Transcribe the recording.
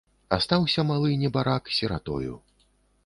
Астаўся малы, небарак, сіратою.